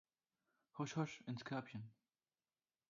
Husch, husch ins Körbchen!